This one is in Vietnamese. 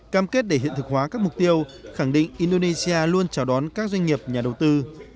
cam kết để hiện thực hóa các mục tiêu khẳng định indonesia luôn chào đón các doanh nghiệp nhà đầu tư